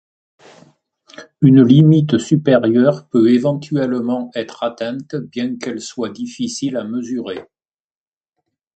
Une limite supérieure peut éventuellement être atteinte, bien qu'elle soit difficile à mesurer.